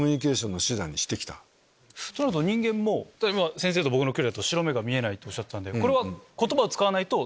それだと人間も先生と僕の距離だと白目が見えないっておっしゃってたんで。